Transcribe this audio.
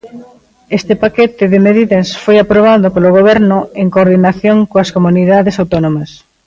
Este paquete de medidas foi aprobado polo Goberno en coordinación coas comunidades autónomas.